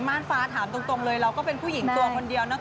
่านฟ้าถามตรงเลยเราก็เป็นผู้หญิงตัวคนเดียวนะคะ